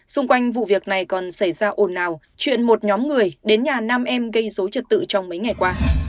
xung quanh vụ việc này còn xảy ra ồn ào chuyện một nhóm người đến nhà nam em gây dối trật tự trong mấy ngày qua